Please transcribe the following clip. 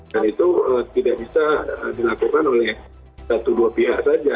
dan itu tidak bisa dilakukan oleh satu dua pihak saja